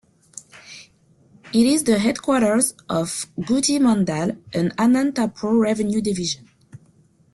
It is the headquarters of Gooty mandal in Anantapur revenue division.